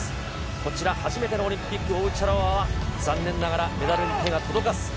こちら、初めてのオリンピック、オウチャロワは、残念ながらメダルに手が届かず。